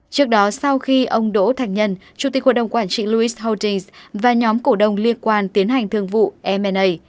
trước đó sau khi ông đỗ thành nhân chủ tịch hội đồng quản trị lewis holdings và nhóm cổ đồng liên quan tiến hành thương vụ m a